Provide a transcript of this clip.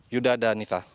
yuda dan nisa